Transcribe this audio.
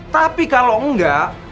tapi kalau enggak